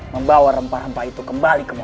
membawa rempah rempah itu kembali